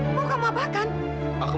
ini kan ini kan baju orang itu